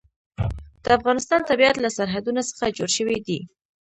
د افغانستان طبیعت له سرحدونه څخه جوړ شوی دی.